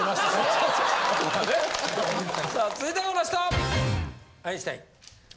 さあ続いてこの人！